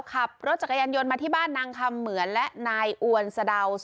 ขับรถจักรยานยนต์มาที่บ้านนางคำเหมือนและนายอวนสะดาว